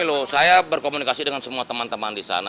loh saya berkomunikasi dengan semua teman teman di sana